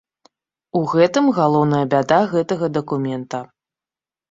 У гэтым галоўная бяда гэтага дакумента.